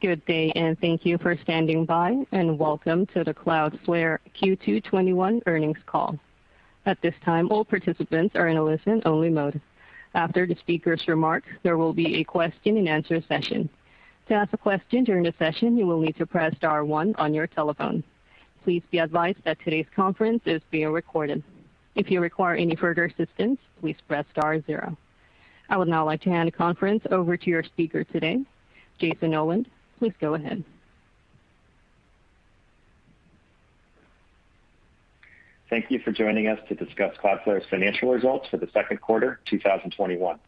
Good day, and thank you for standing by, and welcome to the Cloudflare Q2 2021 earnings call. At this time, all participants are in a listen-only mode. After the speakers remark, there will be a question-and -nswer session. To ask a question during the session, you will need to press star one on your telephone. Please be advised that today's conference is being recorded. If you require any further assistance, please press star zero. I would now like to hand the conference over to your speaker today, Jayson Noland. Please go ahead. Thank you for joining us to discuss Cloudflare's financial results for the second quarter 2021.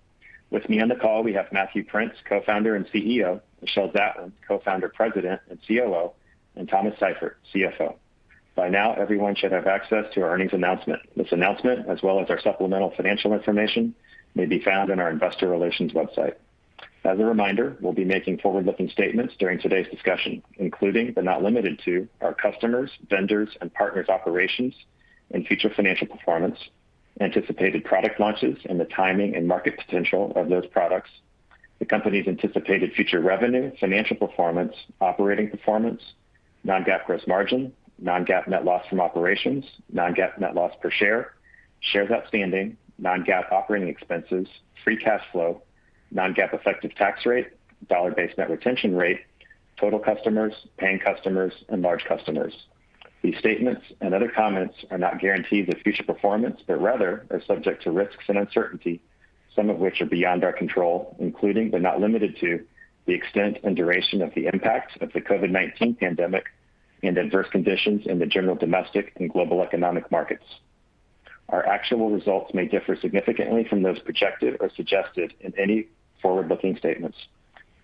With me on the call, we have Matthew Prince, Co-founder and CEO, Michelle Zatlyn, Co-founder, President, and COO, and Thomas Seifert, CFO. By now, everyone should have access to our earnings announcement. This announcement, as well as our supplemental financial information, may be found on our investor relations website. As a reminder, we'll be making forward-looking statements during today's discussion, including but not limited to, our customers, vendors, and partners operations and future financial performance, anticipated product launches, and the timing and market potential of those products, the company's anticipated future revenue, financial performance, operating performance, non-GAAP gross margin, non-GAAP net loss from operations, non-GAAP net loss per share, shares outstanding, non-GAAP operating expenses, free cash flow, non-GAAP effective tax rate, dollar-based net retention rate, total customers, paying customers, and large customers. These statements and other comments are not guarantees of future performance, but rather are subject to risks and uncertainty, some of which are beyond our control, including but not limited to the extent and duration of the impact of the COVID-19 pandemic and adverse conditions in the general domestic and global economic markets. Our actual results may differ significantly from those projected or suggested in any forward-looking statements.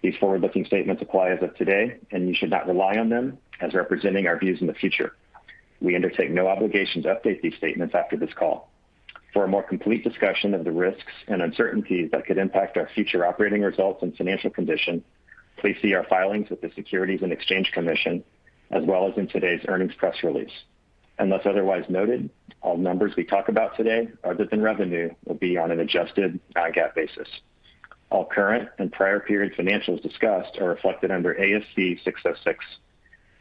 These forward-looking statements apply as of today, and you should not rely on them as representing our views in the future. We undertake no obligation to update these statements after this call. For a more complete discussion of the risks and uncertainties that could impact our future operating results and financial condition, please see our filings with the Securities and Exchange Commission, as well as in today's earnings press release. Unless otherwise noted, all numbers we talk about today, other than revenue, will be on an adjusted non-GAAP basis. All current and prior period financials discussed are reflected under ASC 606.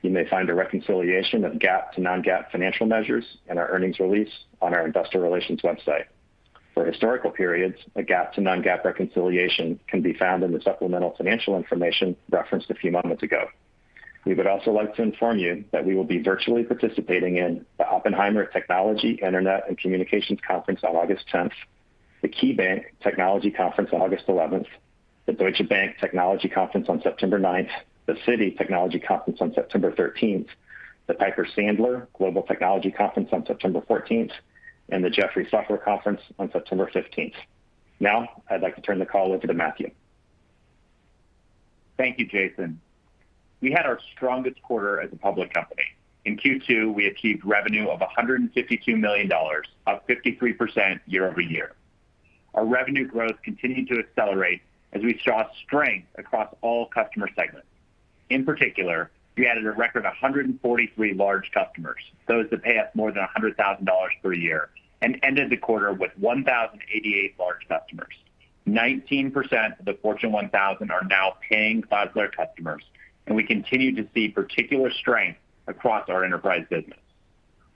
You may find a reconciliation of GAAP to non-GAAP financial measures in our earnings release on our investor relations website. For historical periods, a GAAP to non-GAAP reconciliation can be found in the supplemental financial information referenced a few moments ago. We would also like to inform you that we will be virtually participating in the Oppenheimer Technology, Internet & Communications Conference on August 10th, the KeyBanc Technology Conference on August 11th, the Deutsche Bank Technology Conference on September 9th, the Citi Global Technology Conference on September 13th, the Piper Sandler Global Technology Conference on September 14th, and the Jefferies Software Conference on September 15th. I'd like to turn the call over to Matthew. Thank you, Jayson. We had our strongest quarter as a public company. In Q2, we achieved revenue of $152 million, up 53% year-over-year. Our revenue growth continued to accelerate as we saw strength across all customer segments. In particular, we added a record 143 large customers, those that pay us more than $100,000 per year, and ended the quarter with 1,088 large customers. 19% of the Fortune 1000 are now paying Cloudflare customers, and we continue to see particular strength across our enterprise business.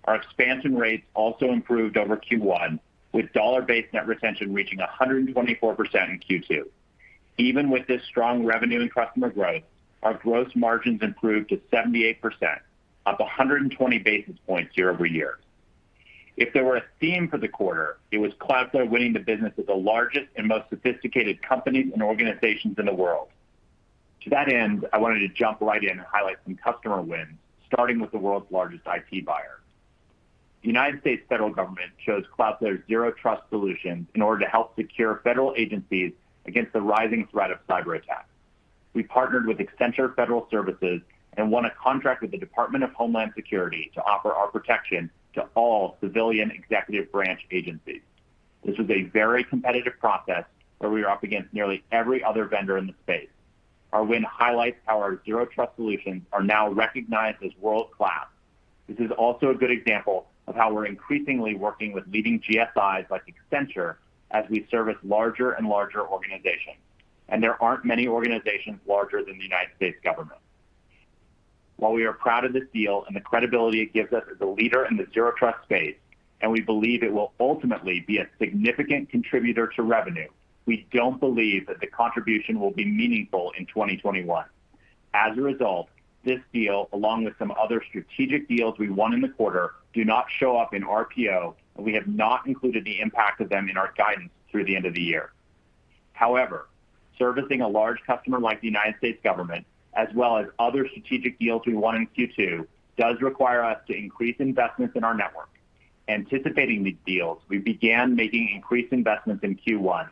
Our expansion rates also improved over Q1, with dollar-based net retention reaching 124% in Q2. Even with this strong revenue and customer growth, our gross margins improved to 78%, up 120 basis points year-over-year. If there were a theme for the quarter, it was Cloudflare winning the business of the largest and most sophisticated companies and organizations in the world. To that end, I wanted to jump right in and highlight some customer wins, starting with the world's largest IT buyer. The U.S. federal government chose Cloudflare Zero Trust solution in order to help secure federal agencies against the rising threat of cyberattack. We partnered with Accenture Federal Services and won a contract with the Department of Homeland Security to offer our protection to all civilian executive branch agencies. This was a very competitive process where we were up against nearly every other vendor in the space. Our win highlights how our Zero Trust solutions are now recognized as world-class. This is also a good example of how we're increasingly working with leading GSIs like Accenture as we service larger and larger organizations, and there aren't many organizations larger than the U.S. government. While we are proud of this deal and the credibility it gives us as a leader in the Zero Trust space, and we believe it will ultimately be a significant contributor to revenue, we don't believe that the contribution will be meaningful in 2021. As a result, this deal, along with some other strategic deals we won in the quarter, do not show up in RPO, and we have not included the impact of them in our guidance through the end of the year. However, servicing a large customer like the U.S. government, as well as other strategic deals we won in Q2, does require us to increase investments in our network. Anticipating these deals, we began making increased investments in Q1.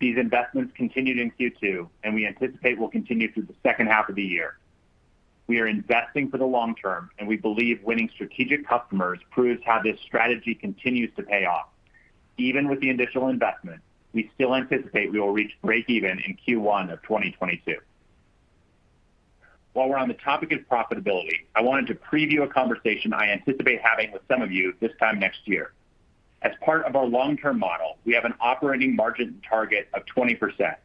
These investments continued in Q2, and we anticipate will continue through the second half of the year. We are investing for the long term. We believe winning strategic customers proves how this strategy continues to pay off. Even with the initial investment, we still anticipate we will reach breakeven in Q1 2022. While we're on the topic of profitability, I wanted to preview a conversation I anticipate having with some of you this time next year. As part of our long-term model, we have an operating margin target of 20%.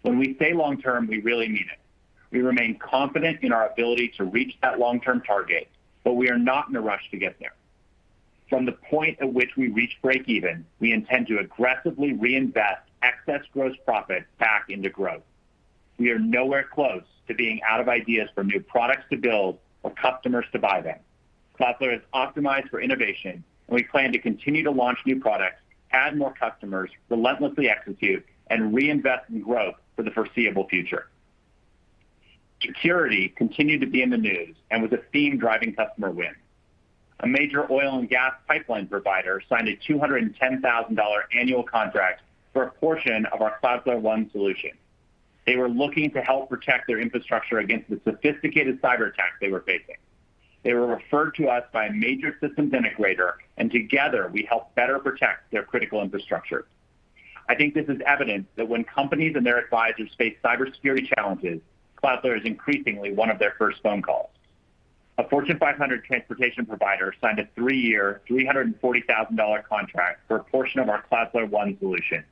When we say long-term, we really mean it. We remain confident in our ability to reach that long-term target. We are not in a rush to get there. From the point at which we reach breakeven, we intend to aggressively reinvest excess gross profit back into growth. We are nowhere close to being out of ideas for new products to build or customers to buy them. Cloudflare is optimized for innovation, and we plan to continue to launch new products, add more customers, relentlessly execute, and reinvest in growth for the foreseeable future. Security continued to be in the news and was a theme driving customer win. A major oil and gas pipeline provider signed a $210,000 annual contract for a portion of our Cloudflare One solution. They were looking to help protect their infrastructure against the sophisticated cyberattacks they were facing. They were referred to us by a major systems integrator, and together we helped better protect their critical infrastructure. I think this is evidence that when companies and their advisors face cybersecurity challenges, Cloudflare is increasingly one of their first phone calls. A Fortune 500 transportation provider signed a three-year, $340,000 contract for a portion of our Cloudflare One solution.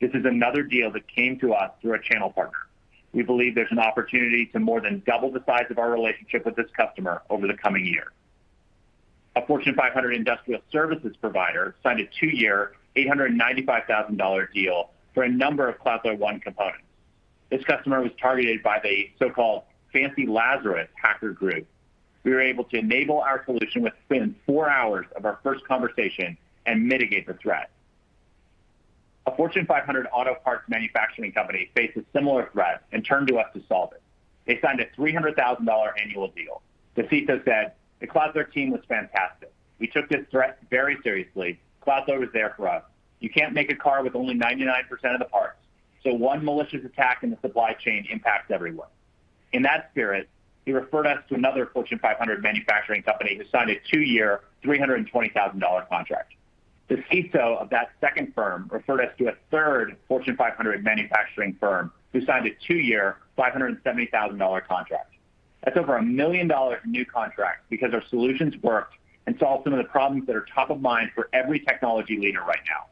This is another deal that came to us through a channel partner. We believe there's an opportunity to more than double the size of our relationship with this customer over the coming year. A Fortune 500 industrial services provider signed a two-year, $895,000 deal for a number of Cloudflare One components. This customer was targeted by the so-called Fancy Lazarus hacker group. We were able to enable our solution within four hours of our first conversation and mitigate the threat. A Fortune 500 auto parts manufacturing company faced a similar threat and turned to us to solve it. They signed a $300,000 annual deal. The CISO said, The Cloudflare team was fantastic. We took this threat very seriously. Cloudflare was there for us. You can't make a car with only 99% of the parts, so one malicious attack in the supply chain impacts everyone. In that spirit, he referred us to another Fortune 500 manufacturing company who signed a two-year, $320,000 contract. The CISO of that second firm referred us to a third Fortune 500 manufacturing firm who signed a two-year, $570,000 contract. That's over $1 million of new contracts because our solutions worked and solved some of the problems that are top of mind for every technology leader right now.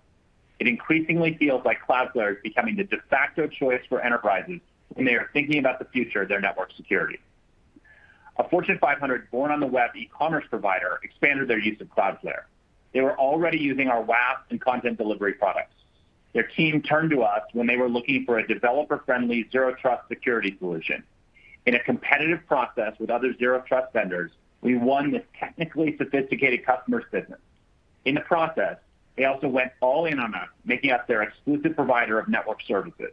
It increasingly feels like Cloudflare is becoming the de facto choice for enterprises when they are thinking about the future of their network security. A Fortune 500 born-on-the-web e-commerce provider expanded their use of Cloudflare. They were already using our WAF and content delivery products. Their team turned to us when they were looking for a developer-friendly, zero trust security solution. In a competitive process with other zero trust vendors, we won this technically sophisticated customer's business. In the process, they also went all in on us, making us their exclusive provider of network services.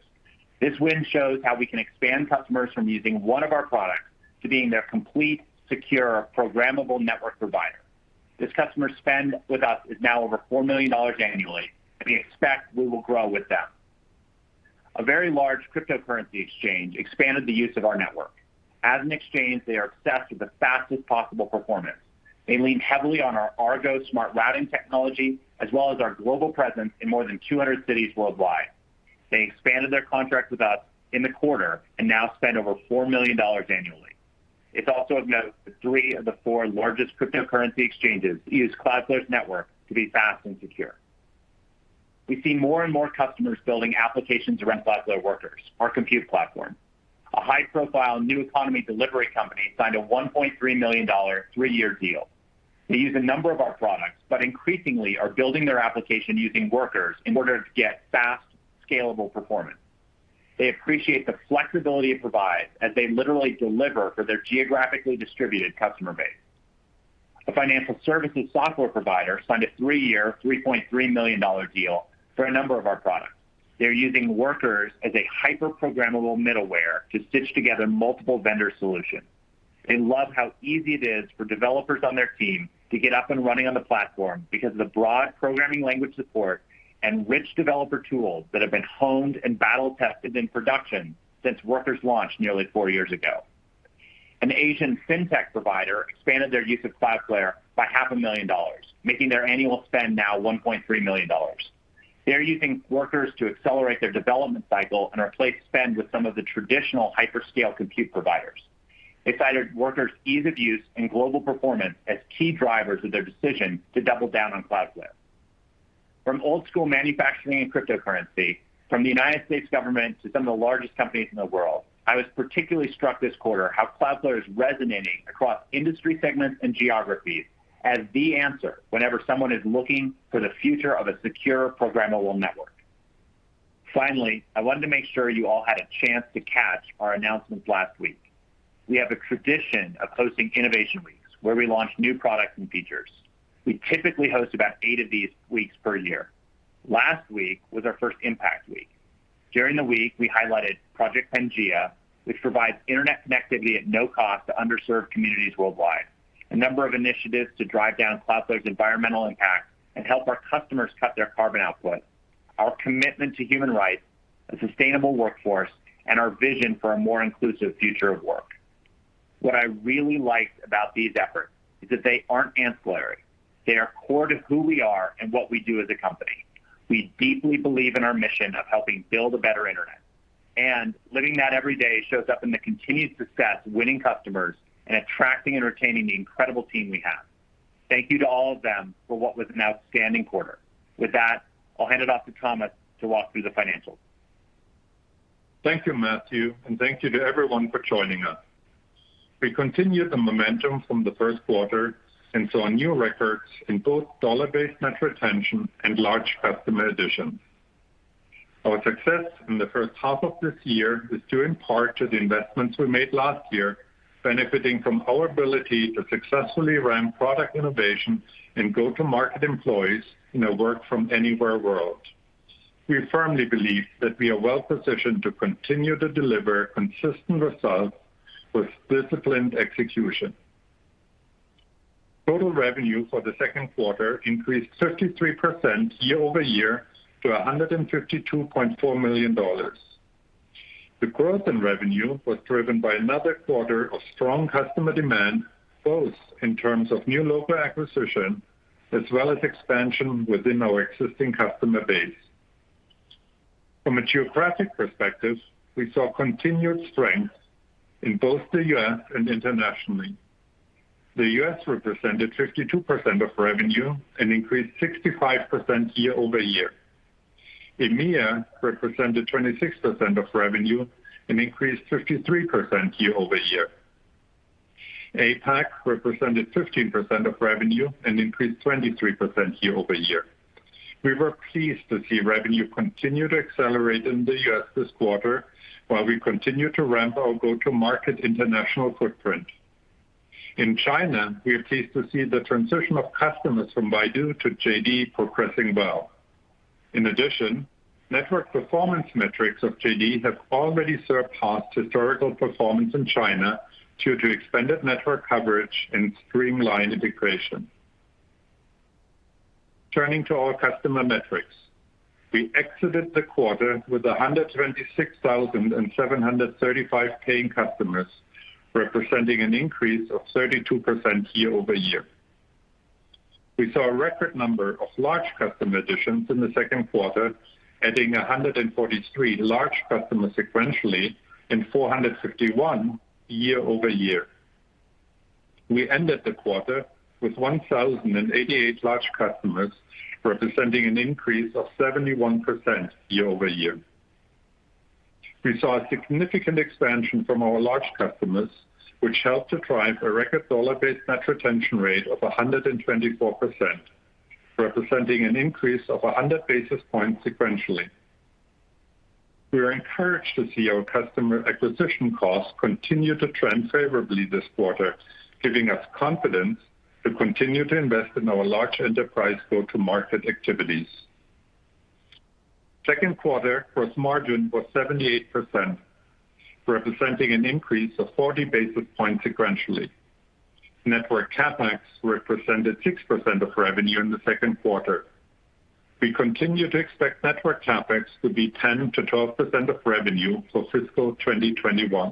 This win shows how we can expand customers from using one of our products to being their complete, secure, programmable network provider. This customer's spend with us is now over $4 million annually, and we expect we will grow with them. A very large cryptocurrency exchange expanded the use of our network. As an exchange, they are obsessed with the fastest possible performance. They lean heavily on our Argo Smart Routing technology, as well as our global presence in more than 200 cities worldwide. They expanded their contract with us in the quarter and now spend over $4 million annually. It's also of note that three of the four largest cryptocurrency exchanges use Cloudflare's network to be fast and secure. We see more and more customers building applications around Cloudflare Workers, our compute platform. A high-profile new economy delivery company signed a $1.3 million, three-year deal. They use a number of our products, but increasingly are building their application using Workers in order to get fast, scalable performance. They appreciate the flexibility it provides as they literally deliver for their geographically distributed customer base. A financial services software provider signed a three-year, $3.3 million deal for a number of our products. They're using Workers as a hyper programmable middleware to stitch together multiple vendor solutions. They love how easy it is for developers on their team to get up and running on the platform because of the broad programming language support and rich developer tools that have been honed and battle tested in production since Workers launched nearly four years ago. An Asian fintech provider expanded their use of Cloudflare by half a million dollars, making their annual spend now $1.3 million. They're using Workers to accelerate their development cycle and replace spend with some of the traditional hyperscale compute providers. They cited Workers' ease of use and global performance as key drivers of their decision to double down on Cloudflare. From old school manufacturing and cryptocurrency, from the U.S. government to some of the largest companies in the world, I was particularly struck this quarter how Cloudflare is resonating across industry segments and geographies as the answer whenever someone is looking for the future of a secure, programmable network. I wanted to make sure you all had a chance to catch our announcements last week. We have a tradition of hosting innovation weeks where we launch new products and features. We typically host about eight of these weeks per year. Last week was our first Impact Week. During the week, we highlighted Project Pangea, which provides internet connectivity at no cost to underserved communities worldwide, a number of initiatives to drive down Cloudflare's environmental impact and help our customers cut their carbon output, our commitment to human rights, a sustainable workforce, and our vision for a more inclusive future of work. What I really liked about these efforts is that they aren't ancillary. They are core to who we are and what we do as a company. We deeply believe in our mission of helping build a better internet, living that every day shows up in the continued success of winning customers and attracting and retaining the incredible team we have. Thank you to all of them for what was an outstanding quarter. With that, I'll hand it off to Thomas to walk through the financials. Thank you, Matthew, and thank you to everyone for joining us. We continued the momentum from the first quarter and saw new records in both dollar-based net retention and large customer additions. Our success in the first half of this year is due in part to the investments we made last year, benefiting from our ability to successfully ramp product innovation and go-to-market employees in a work-from-anywhere world. We firmly believe that we are well positioned to continue to deliver consistent results with disciplined execution. Total revenue for the second quarter increased 33% year-over-year to $152.4 million. The growth in revenue was driven by another quarter of strong customer demand, both in terms of new logo acquisition as well as expansion within our existing customer base. From a geographic perspective, we saw continued strength in both the U.S. and internationally. The U.S. represented 52% of revenue and increased 65% year-over-year. EMEA represented 26% of revenue and increased 53% year-over-year. APAC represented 15% of revenue and increased 23% year-over-year. We were pleased to see revenue continue to accelerate in the U.S. this quarter while we continue to ramp our go-to-market international footprint. In China, we are pleased to see the transition of customers from Baidu to JD progressing well. Network performance metrics of JD have already surpassed historical performance in China due to expanded network coverage and streamlined integration. Turning to our customer metrics. We exited the quarter with 126,735 paying customers, representing an increase of 32% year-over-year. We saw a record number of large customer additions in the second quarter, adding 143 large customers sequentially and 451 year-over-year. We ended the quarter with 1,088 large customers, representing an increase of 71% year-over-year. We saw a significant expansion from our large customers, which helped to drive a record dollar-based net retention rate of 124%, representing an increase of 100 basis points sequentially. We are encouraged to see our customer acquisition costs continue to trend favorably this quarter, giving us confidence to continue to invest in our large enterprise go-to-market activities. Second quarter gross margin was 78%, representing an increase of 40 basis points sequentially. Network CapEx represented 6% of revenue in the second quarter. We continue to expect network CapEx to be 10%-12% of revenue for fiscal 2021.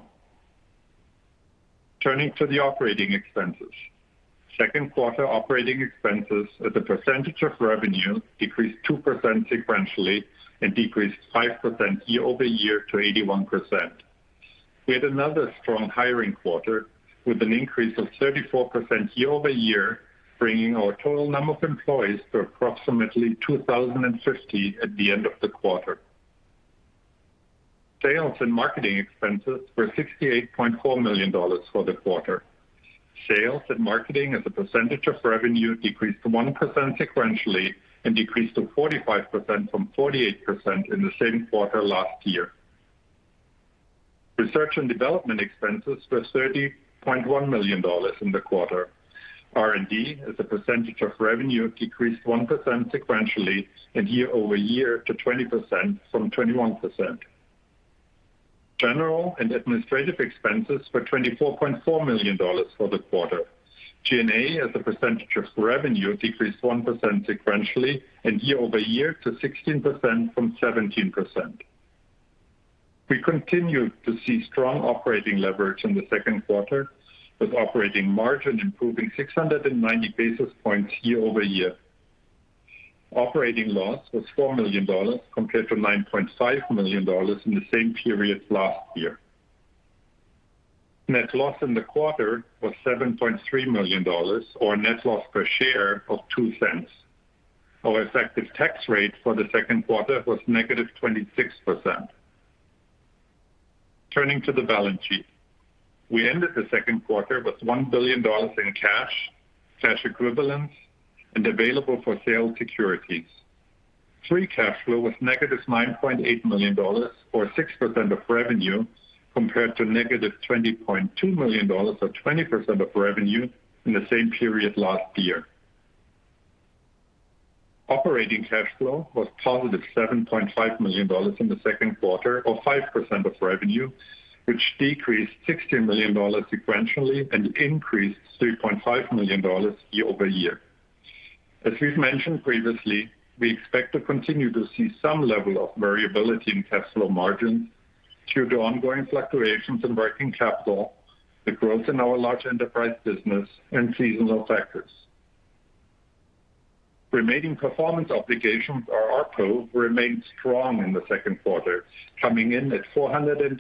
Turning to the operating expenses. Second quarter operating expenses as a percentage of revenue decreased 2% sequentially and decreased 5% year-over-year to 81%. We had another strong hiring quarter with an increase of 34% year-over-year, bringing our total number of employees to approximately 2,050 at the end of the quarter. Sales and marketing expenses were $68.4 million for the quarter. Sales and marketing as a percentage of revenue decreased 1% sequentially and decreased to 45% from 48% in the same quarter last year. Research and development expenses were $30.1 million in the quarter. R&D as a percentage of revenue decreased 1% sequentially and year-over-year to 20% from 21%. General and administrative expenses were $24.4 million for the quarter. G&A as a percentage of revenue decreased 1% sequentially and year-over-year to 16% from 17%. We continued to see strong operating leverage in the second quarter, with operating margin improving 690 basis points year-over-year. Operating loss was $4 million compared to $9.5 million in the same period last year. Net loss in the quarter was $7.3 million, or net loss per share of $0.02. Our effective tax rate for the second quarter was -26%. Turning to the balance sheet. We ended the second quarter with $1 billion in cash equivalents, and available-for-sale securities. Free cash flow was -$9.8 million or 6% of revenue, compared to -$20.2 million or 20% of revenue in the same period last year. Operating cash flow was +$7.5 million in the second quarter or 5% of revenue, which decreased $16 million sequentially and increased $3.5 million year-over-year. As we've mentioned previously, we expect to continue to see some level of variability in cash flow margins due to ongoing fluctuations in working capital, the growth in our large enterprise business and seasonal factors. Remaining performance obligations, or RPO, remained strong in the second quarter, coming in at $484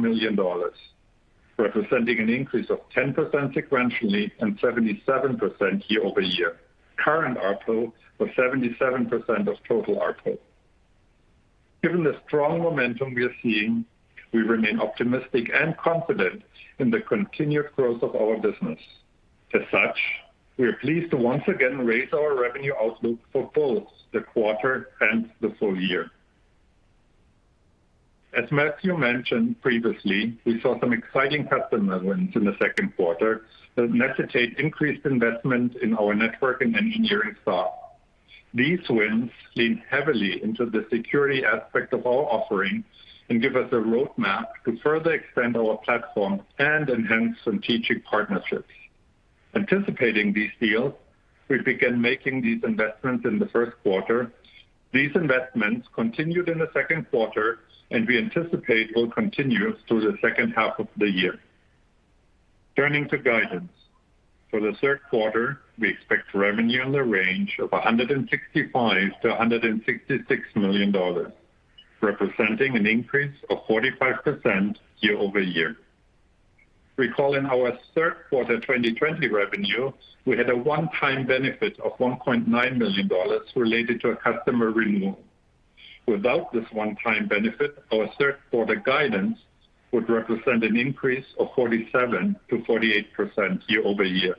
million, representing an increase of 10% sequentially and 77% year-over-year. Current RPO was 77% of total RPO. Given the strong momentum we are seeing, we remain optimistic and confident in the continued growth of our business. As such, we are pleased to once again raise our revenue outlook for both the quarter and the full year. As Matthew mentioned previously, we saw some exciting customer wins in the second quarter that necessitate increased investment in our network and engineering staff. These wins lean heavily into the security aspect of our offering and give us a roadmap to further extend our platform and enhance strategic partnerships. Anticipating these deals, we began making these investments in the first quarter. These investments continued in the second quarter, and we anticipate will continue through the second half of the year. Turning to guidance. For the third quarter, we expect revenue in the range of $165 million-$166 million, representing an increase of 45% year-over-year. Recalling our third quarter 2020 revenue, we had a one-time benefit of $1.9 million related to a customer renewal. Without this one-time benefit, our third quarter guidance would represent an increase of 47%-48% year-over-year.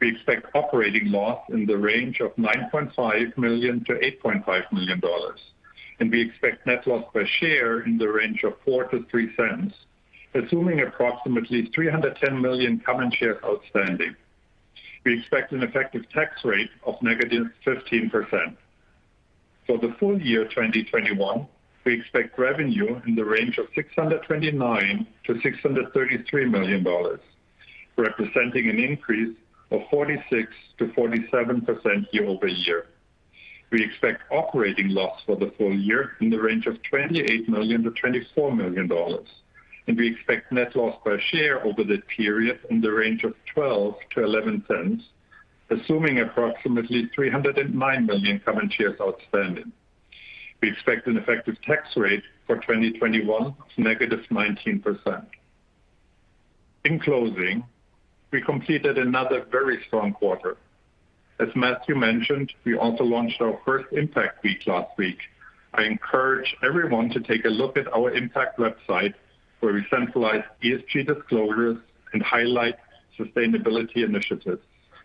We expect operating loss in the range of $9.5 million-$8.5 million, and we expect net loss per share in the range of $0.04-$0.03, assuming approximately 310 million common shares outstanding. We expect an effective tax rate of -15%. For the full year 2021, we expect revenue in the range of $629 million-$633 million, representing an increase of 46%-47% year-over-year. We expect operating loss for the full year in the range of $28 million-$24 million, and we expect net loss per share over the period in the range of $0.12-$0.11, assuming approximately 309 million common shares outstanding. We expect an effective tax rate for 2021 of -19%. In closing, we completed another very strong quarter. As Matthew mentioned, we also launched our first Impact Week last week. I encourage everyone to take a look at our Impact website, where we centralize ESG disclosures and highlight sustainability initiatives.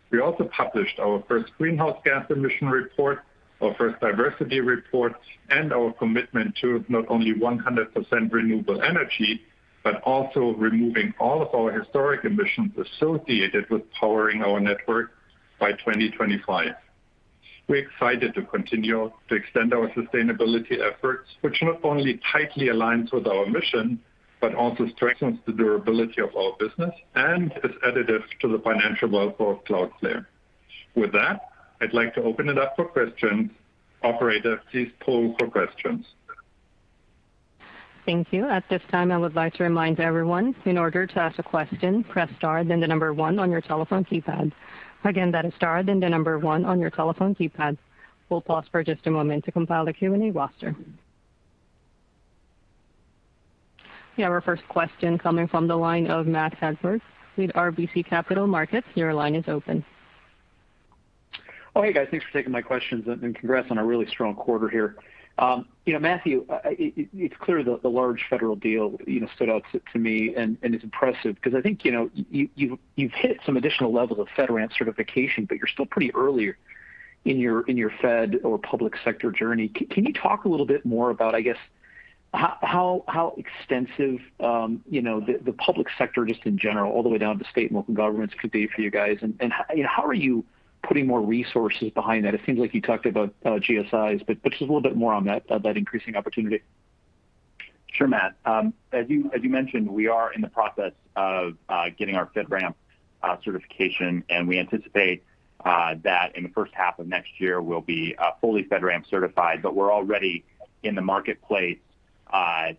We also published our first greenhouse gas emission report, our first diversity report, and our commitment to not only 100% renewable energy, but also removing all of our historic emissions associated with powering our network by 2025. We're excited to continue to extend our sustainability efforts, which not only tightly aligns with our mission, but also strengthens the durability of our business and is additive to the financial wealth of Cloudflare. With that, I'd like to open it up for questions. Operator, please poll for questions. Thank you. We'll pause for just a moment to compile the Q&A roster. We have our first question coming from the line of Matt Hedberg with RBC Capital Markets. Your line is open. Oh, hey, guys. Thanks for taking my questions, and congrats on a really strong quarter here. Matthew, it's clear that the large federal deal stood out to me, and it's impressive because I think you've hit some additional levels of FedRAMP certification, but you're still pretty early in your Fed or public sector journey. Can you talk a little bit more about, I guess, how extensive the public sector just in general, all the way down to state and local governments, could be for you guys? How are you putting more resources behind that? It seems like you talked about GSIs, just a little bit more on that increasing opportunity. Sure, Matt. As you mentioned, we are in the process of getting our FedRAMP certification, and we anticipate that in the first half of next year, we'll be fully FedRAMP certified. We're already in the marketplace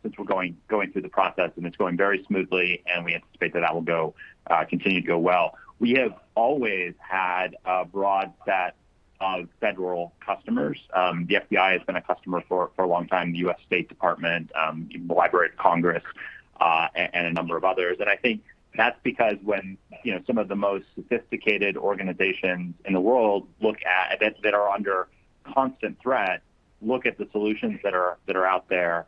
since we're going through the process, and it's going very smoothly, and we anticipate that will continue to go well. We have always had a broad set of federal customers. The FBI has been a customer for a long time, the U.S. State Department, the Library of Congress, and a number of others. I think that's because when some of the most sophisticated organizations in the world that are under constant threat look at the solutions that are out there,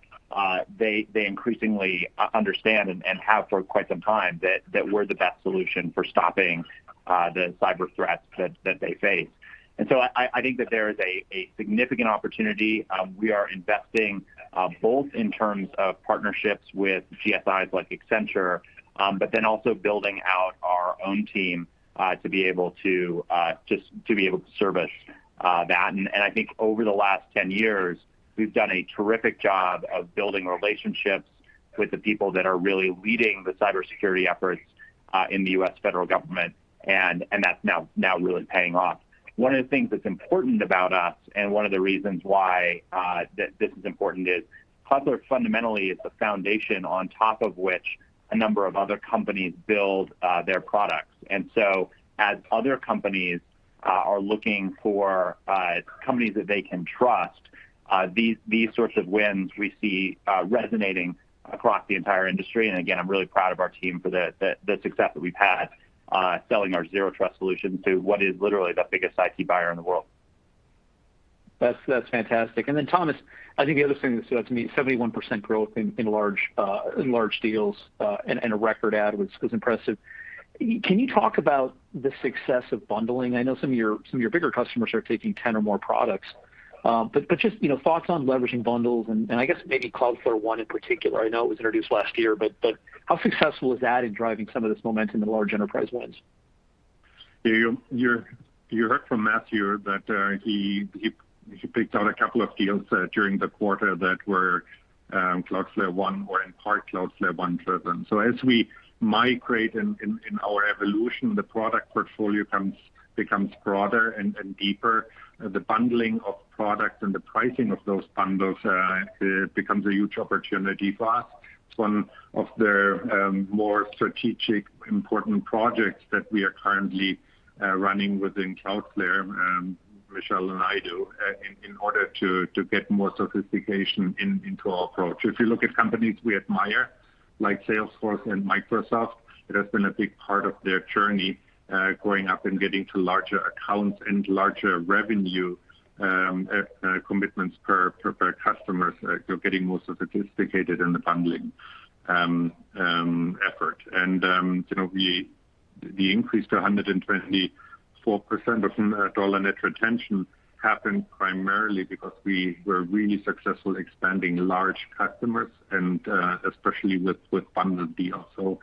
they increasingly understand and have for quite some time that we're the best solution for stopping the cyber threats that they face. I think that there is a significant opportunity. We are investing both in terms of partnerships with GSIs like Accenture, but then also building out our own team to be able to service that. I think over the last 10 years, we've done a terrific job of building relationships with the people that are really leading the cybersecurity efforts in the U.S. federal government, and that's now really paying off. One of the things that's important about us, and one of the reasons why this is important is Cloudflare fundamentally is the foundation on top of which a number of other companies build their products. As other companies are looking for companies that they can trust, these sorts of wins we see resonating across the entire industry. Again, I'm really proud of our team for the success that we've had selling our Zero Trust solution to what is literally the biggest IT buyer in the world. That's fantastic. Thomas, I think the other thing that stood out to me, 71% growth in large deals, and a record add, which is impressive. Can you talk about the success of bundling? I know some of your bigger customers are taking 10 or more products, but just thoughts on leveraging bundles and I guess maybe Cloudflare One in particular. I know it was introduced last year, but how successful is that in driving some of this momentum in the large enterprise wins? You heard from Matthew that he picked out a couple of deals during the quarter that were Cloudflare One or in part Cloudflare One driven. As we migrate in our evolution, the product portfolio becomes broader and deeper. The bundling of products and the pricing of those bundles becomes a huge opportunity for us. It's one of the more strategic important projects that we are currently running within Cloudflare, Michelle and I do, in order to get more sophistication into our approach. If you look at companies we admire, like Salesforce and Microsoft, it has been a big part of their journey, growing up and getting to larger accounts and larger revenue commitments per customer. They're getting more sophisticated in the bundling effort. The increase to 124% of dollar net retention happened primarily because we were really successful expanding large customers and especially with bundled deals.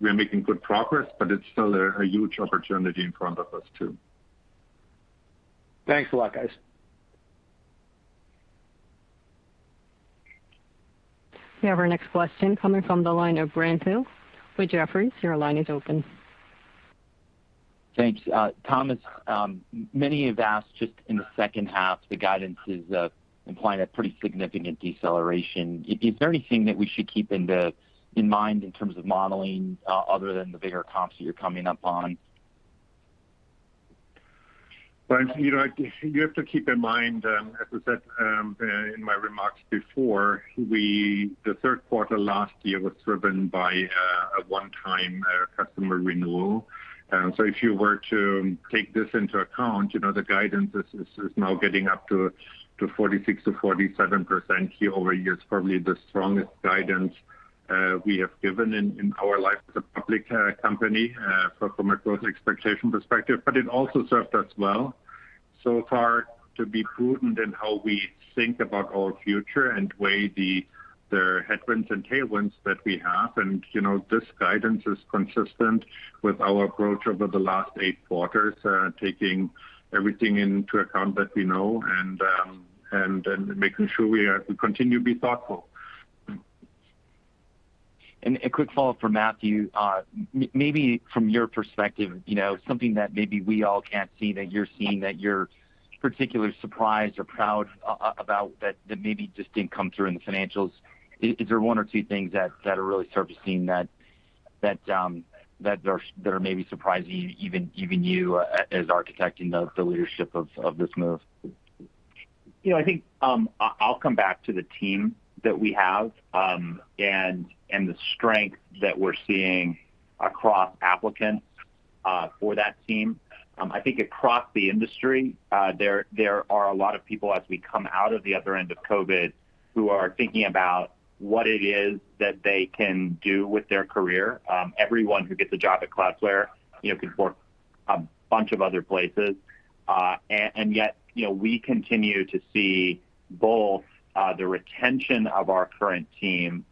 We're making good progress, but it's still a huge opportunity in front of us too. Thanks a lot, guys. We have our next question coming from the line of Brent Thill with Jefferies. Your line is open. Thanks. Thomas, many have asked just in the second half, the guidance is implying a pretty significant deceleration. Is there anything that we should keep in mind in terms of modeling other than the bigger comps that you're coming up on? You have to keep in mind, as I said in my remarks before, the third quarter last year was driven by a one-time customer renewal. If you were to take this into account, the guidance is now getting up to 46%-47% year-over-year. It's probably the strongest guidance we have given in our life as a public company from a growth expectation perspective, but it also served us well so far to be prudent in how we think about our future and weigh the headwinds and tailwinds that we have. This guidance is consistent with our approach over the last eight quarters, taking everything into account that we know and then making sure we continue to be thoughtful. A quick follow-up for Matthew. Maybe from your perspective, something that maybe we all can't see that you're seeing that you're particularly surprised or proud about that maybe just didn't come through in the financials. Is there one or two things that are really surfacing that are maybe surprising even you as architecting the leadership of this move? I think I'll come back to the team that we have, and the strength that we're seeing across applicants for that team. I think across the industry, there are a lot of people as we come out of the other end of COVID, who are thinking about what it is that they can do with their career. Everyone who gets a job at Cloudflare could work a bunch of other places. Yet, we continue to see both the retention of our current team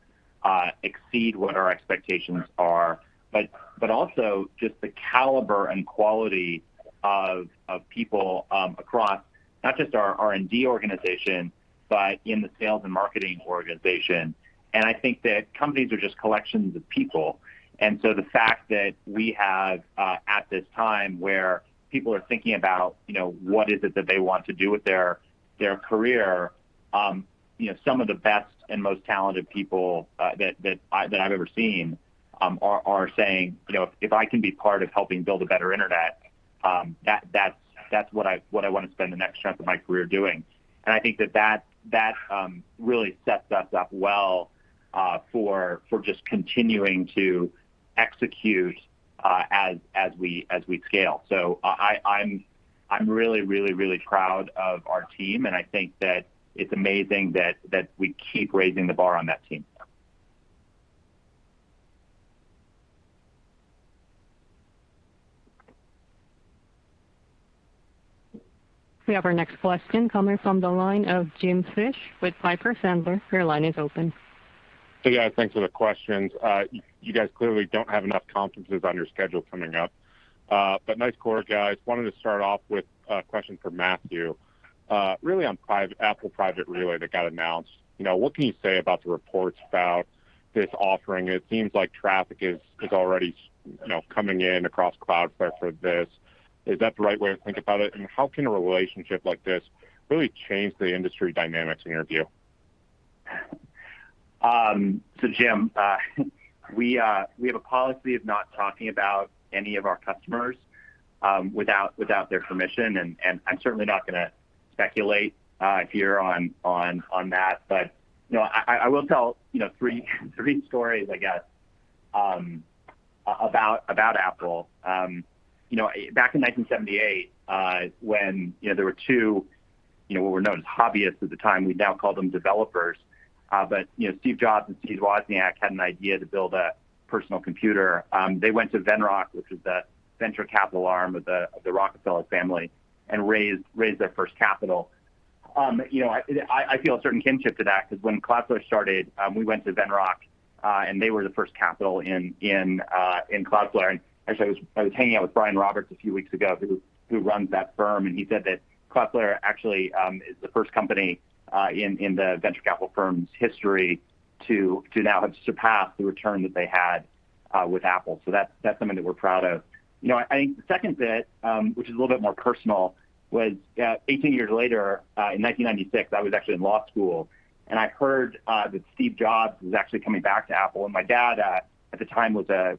exceed what our expectations are, but also just the caliber and quality of people across not just our R&D organization, but in the sales and marketing organization. I think that companies are just collections of people. The fact that we have, at this time where people are thinking about what is it that they want to do with their career, some of the best and most talented people that I've ever seen are saying, If I can be part of helping build a better internet, that's what I want to spend the next chunk of my career doing. I think that really sets us up well for just continuing to execute as we scale. I'm really proud of our team, and I think that it's amazing that we keep raising the bar on that team. We have our next question coming from the line of Jim Fish with Piper Sandler. Your line is open. Hey, guys. Thanks for the questions. You guys clearly don't have enough conferences on your schedule coming up. Nice quarter, guys. Wanted to start off with a question for Matthew, really on Apple iCloud Private Relay that got announced. What can you say about the reports about this offering? It seems like traffic is already coming in across Cloudflare for this. Is that the right way to think about it? How can a relationship like this really change the industry dynamics in your view? Jim, we have a policy of not talking about any of our customers without their permission. I'm certainly not going to speculate here on that. I will tell three stories, I guess about Apple. Back in 1978, when there were two, what were known as hobbyists at the time, we now call them developers. Steve Jobs and Steve Wozniak had an idea to build a personal computer. They went to Venrock, which is the venture capital arm of the Rockefeller family, and raised their first capital. I feel a certain kinship to that because when Cloudflare started, we went to Venrock, and they were the first capital in Cloudflare. Actually, I was hanging out with Bryan Roberts a few weeks ago, who runs that firm, and he said that Cloudflare actually is the first company in the venture capital firm's history to now have surpassed the return that they had with Apple. That's something that we're proud of. I think the second bit, which is a little bit more personal, was 18 years later, in 1996, I was actually in law school, and I heard that Steve Jobs was actually coming back to Apple. My dad at the time was a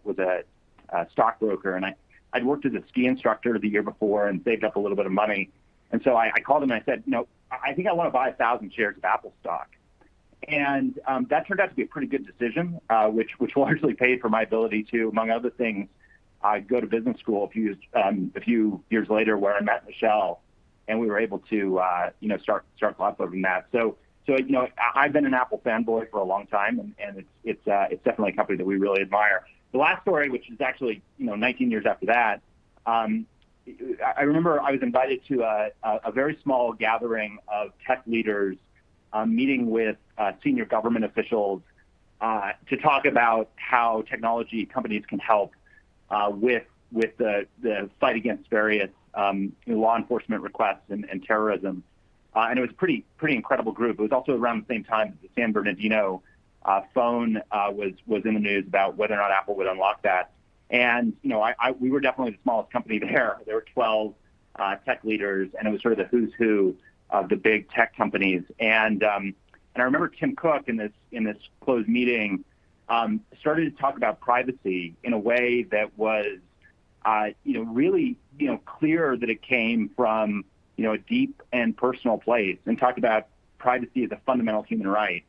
stockbroker, and I'd worked as a ski instructor the year before and saved up a little bit of money. I called him and I said, I think I want to buy 1,000 shares of Apple stock. That turned out to be a pretty good decision, which largely paid for my ability to, among other things, go to business school a few years later, where I met Michelle, and we were able to start Cloudflare from that. I've been an Apple fanboy for a long time, and it's definitely a company that we really admire. The last story, which is actually 19 years after that, I remember I was invited to a very small gathering of tech leaders meeting with senior government officials to talk about how technology companies can help with the fight against various law enforcement requests and terrorism. It was a pretty incredible group. It was also around the same time that the San Bernardino phone was in the news about whether or not Apple would unlock that. We were definitely the smallest company there. There were 12 tech leaders, and it was sort of the who's who of the big tech companies. I remember Tim Cook in this closed meeting, started to talk about privacy in a way that was really clear that it came from a deep and personal place, and talked about privacy as a fundamental human right.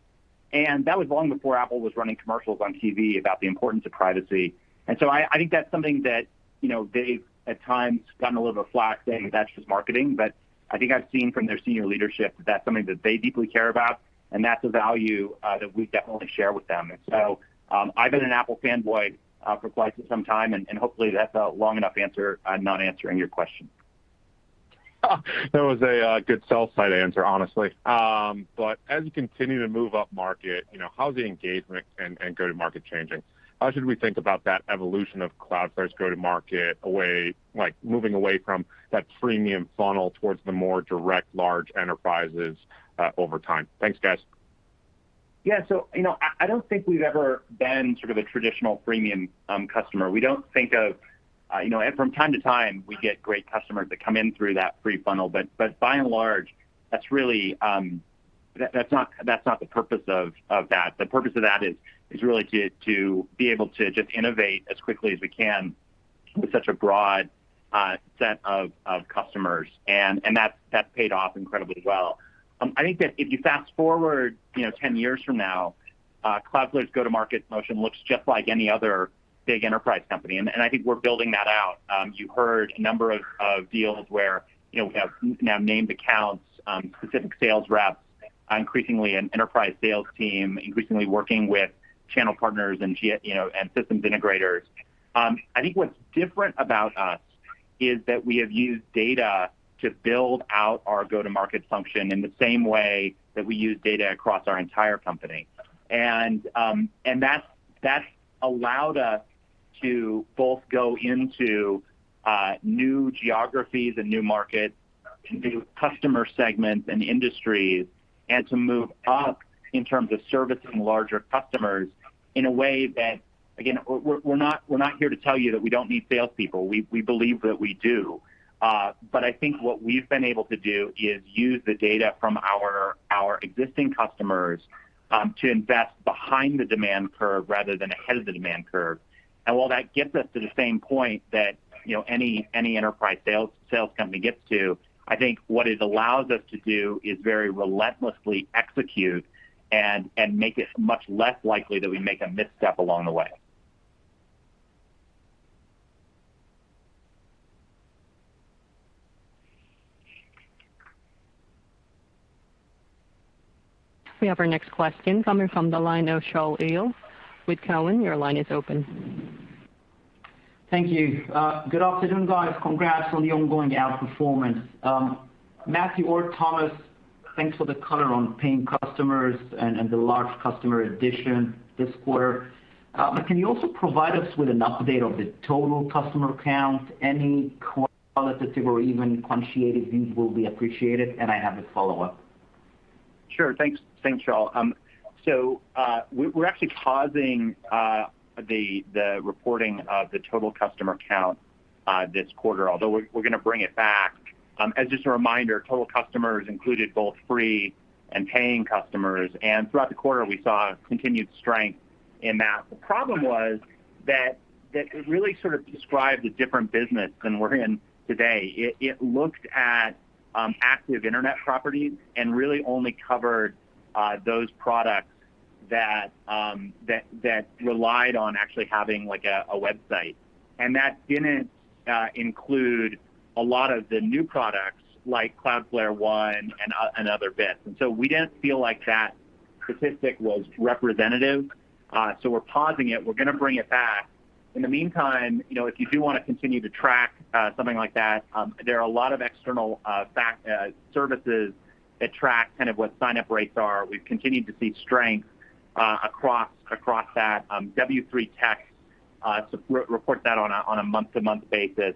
That was long before Apple was running commercials on TV about the importance of privacy. I think that's something that they've, at times, gotten a little bit of flak, saying that's just marketing, but I think I've seen from their senior leadership that that's something that they deeply care about, and that's a value that we definitely share with them. I've been an Apple fanboy for quite some time, and hopefully that's a long enough answer not answering your question. That was a good sell side answer, honestly. As you continue to move up market, how's the engagement and go-to-market changing? How should we think about that evolution of Cloudflare's go-to-market, moving away from that freemium funnel towards the more direct large enterprises over time? Thanks, guys. I don't think we've ever been sort of a traditional freemium customer. From time to time, we get great customers that come in through that free funnel. By and large, that's not the purpose of that. The purpose of that is really to be able to just innovate as quickly as we can with such a broad set of customers. That's paid off incredibly well. I think that if you fast-forward 10 years from now, Cloudflare's go-to-market motion looks just like any other big enterprise company, and I think we're building that out. You heard a number of deals where we have now named accounts, specific sales reps, increasingly an enterprise sales team, increasingly working with channel partners and systems integrators. I think what's different about us is that we have used data to build out our go-to-market function in the same way that we use data across our entire company. That's allowed us to both go into new geographies and new markets, new customer segments and industries, and to move up in terms of servicing larger customers in a way that, again, we're not here to tell you that we don't need salespeople. We believe that we do. I think what we've been able to do is use the data from our existing customers to invest behind the demand curve rather than ahead of the demand curve. While that gets us to the same point that any enterprise sales company gets to, I think what it allows us to do is very relentlessly execute and make it much less likely that we make a misstep along the way. We have our next question coming from the line of Shaul Eyal with Cowen. Your line is open. Thank you. Good afternoon, guys. Congrats on the ongoing outperformance. Matthew or Thomas, thanks for the color on paying customers and the large customer addition this quarter. Can you also provide us with an update of the total customer count? Any qualitative or even quantitative views will be appreciated. I have a follow-up. Sure, thanks, Shaul. We're actually pausing the reporting of the total customer count this quarter, although we're going to bring it back. As just a reminder, total customers included both free and paying customers, throughout the quarter, we saw continued strength in that. The problem was that it really sort of described a different business than we're in today. It looked at active internet properties and really only covered those products that relied on actually having a website. That didn't include a lot of the new products like Cloudflare One and other bits. We didn't feel like that statistic was representative, we're pausing it. We're going to bring it back. In the meantime, if you do want to continue to track something like that, there are a lot of external services that track kind of what sign-up rates are. We've continued to see strength across that. W3Techs report that on a month-to-month basis.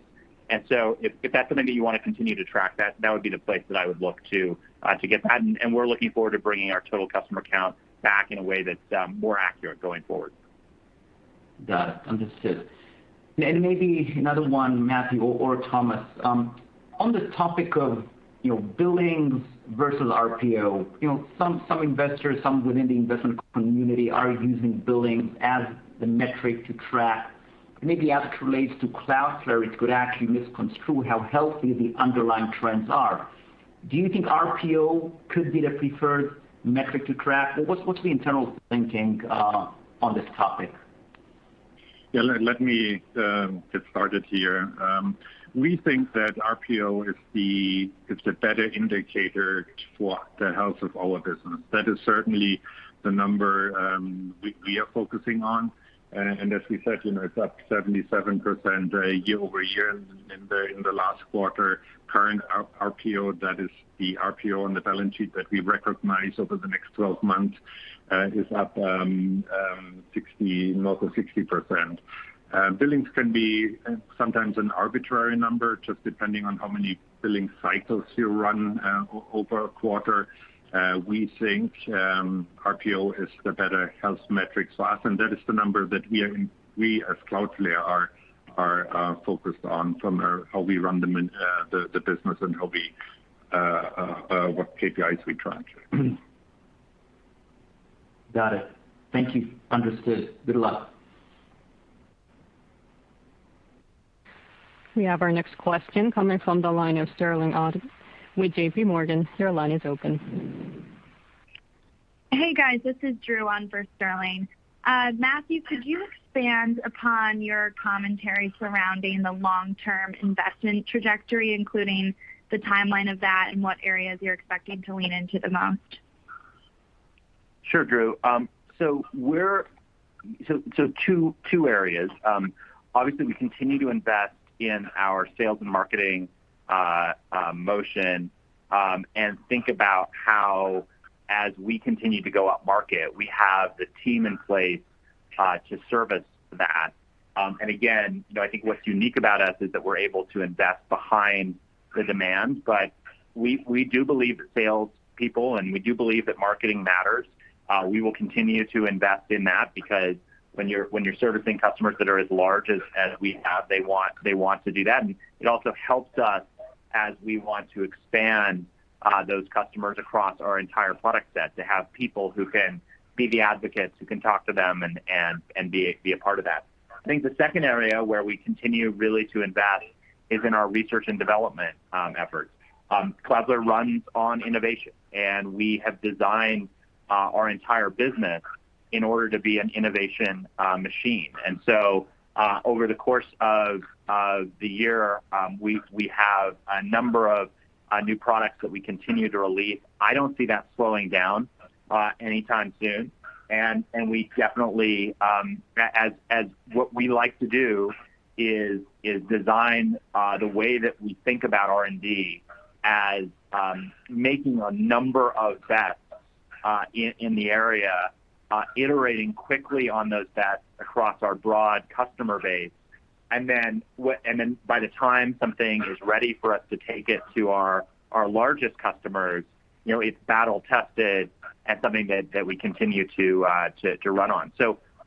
If that's something that you want to continue to track, that would be the place that I would look to get that. We're looking forward to bringing our total customer count back in a way that's more accurate going forward. Got it. Understood. Maybe another one, Matthew or Thomas, on the topic of billings versus RPO, some investors, some within the investment community, are using billings as the metric to track. Maybe as it relates to Cloudflare, it could actually misconstrue how healthy the underlying trends are. Do you think RPO could be the preferred metric to track? What's the internal thinking on this topic? Yeah, let me get started here. We think that RPO is the better indicator for the health of our business. That is certainly the number we are focusing on. As we said, it's up 77% year-over-year in the last quarter. Current RPO, that is the RPO on the balance sheet that we recognize over the next 12 months, is up north of 60%. Billings can be sometimes an arbitrary number, just depending on how many billing cycles you run over a quarter. We think RPO is the better health metric for us, and that is the number that we, as Cloudflare, are focused on from how we run the business and what KPIs we track. Got it. Thank you. Understood. Good luck. We have our next question coming from the line of Sterling Auty with JPMorgan. Your line is open. Hey, guys, this is Drew on for Sterling. Matthew, could you expand upon your commentary surrounding the long-term investment trajectory, including the timeline of that and what areas you're expecting to lean into the most? Sure, Drew. Two areas. Obviously, we continue to invest in our sales and marketing motion and think about how, as we continue to go up market, we have the team in place to service that. Again, I think what's unique about us is that we're able to invest behind the demand. We do believe sales people, and we do believe that marketing matters. We will continue to invest in that because when you're servicing customers that are as large as we have, they want to do that. It also helps us as we want to expand those customers across our entire product set, to have people who can be the advocates, who can talk to them and be a part of that. I think the second area where we continue really to invest is in our research and development efforts. Cloudflare runs on innovation, and we have designed our entire business in order to be an innovation machine. Over the course of the year, we have a number of new products that we continue to release. I don't see that slowing down anytime soon, and we definitely like to do is design the way that we think about R&D as making a number of bets in the area, iterating quickly on those bets across our broad customer base. Then by the time something is ready for us to take it to our largest customers, it's battle tested and something that we continue to run on.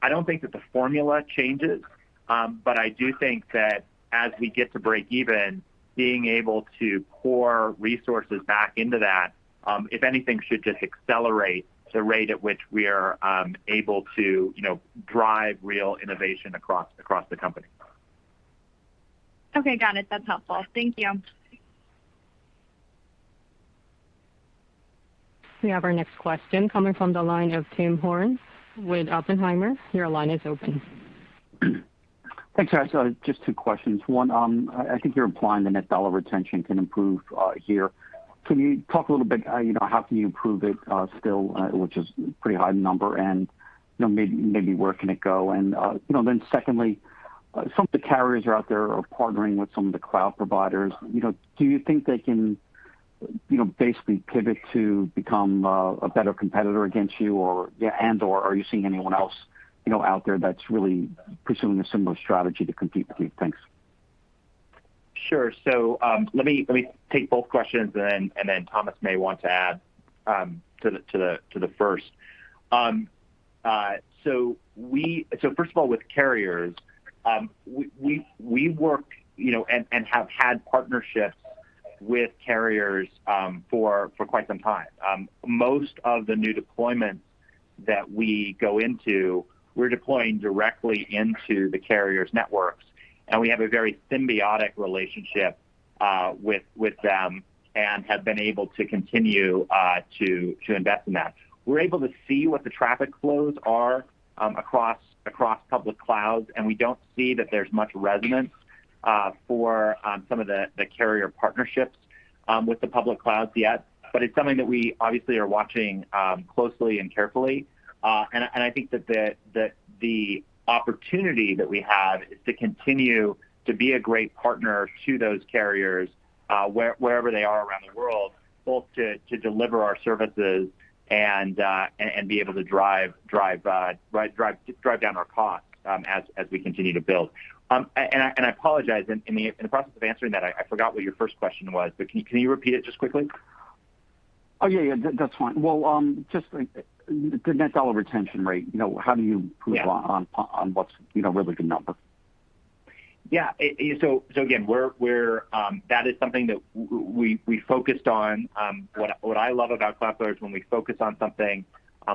I don't think that the formula changes, but I do think that as we get to break even, being able to pour resources back into that, if anything, should just accelerate the rate at which we are able to drive real innovation across the company. Okay, got it. That's helpful. Thank you. We have our next question coming from the line of Tim Horan with Oppenheimer. Your line is open. Thanks, guys. Just two questions. One, I think you're implying the net dollar retention can improve here. Can you talk a little bit, how can you improve it still, which is a pretty high number, and maybe where can it go? Secondly, some of the carriers out there are partnering with some of the cloud providers. Do you think they can basically pivot to become a better competitor against you, and/or are you seeing anyone else out there that's really pursuing a similar strategy to compete with you? Thanks. Sure. Let me take both questions, and then Thomas may want to add to the first. First of all, with carriers, we work, and have had partnerships with carriers for quite some time. Most of the new deployments that we go into, we're deploying directly into the carriers' networks, and we have a very symbiotic relationship with them and have been able to continue to invest in that. We're able to see what the traffic flows are across public clouds, and we don't see that there's much resonance for some of the carrier partnerships with the public clouds yet. It's something that we obviously are watching closely and carefully. I think that the opportunity that we have is to continue to be a great partner to those carriers, wherever they are around the world, both to deliver our services and be able to drive down our costs as we continue to build. I apologize. In the process of answering that, I forgot what your first question was, but can you repeat it just quickly? Oh, yeah. That's fine. Well, just the net dollar retention rate, how do you improve on what's really a good number? Again, that is something that we focused on. What I love about Cloudflare is when we focus on something,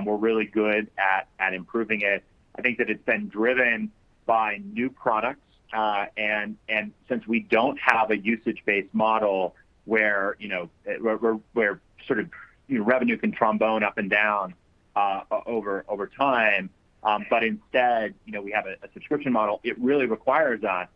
we're really good at improving it. I think that it's been driven by new products. Since we don't have a usage-based model where sort of revenue can trombone up and down over time, but instead we have a subscription model, it really requires us